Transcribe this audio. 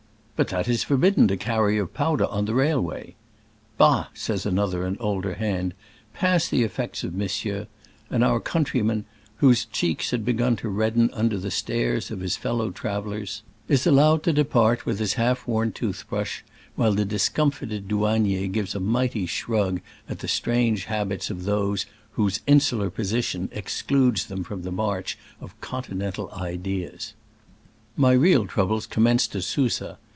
But that is forbidden to carry of powder on the railway." "Bah!" says another and older hand, "pass the effects of monsieur;" and our countryman — whose cheeks had begun to redden under the stares of his fellow travelers— is allowed to depart with his half worn f •■ Digitized by Google 6o SCRAMBLES AMONGST THE ALPS IN i86o '69. tooth brush, while the discomfited dou anier gives a mighty shrug at the strange habits of those "whose insular position excludes them from the march of con tinental ideas.'* My real troubles commenced at Susa.